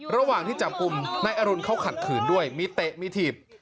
ระหว่างที่จับกลุ่มนายอรุณเขาขัดขืนด้วยมีเตะมีถีบ